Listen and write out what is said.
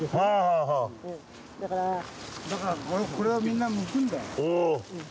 だからこれをみんなむくんだよ。